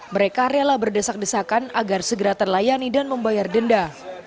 mereka rela berdesak desakan agar segera terlayani dan membayar denda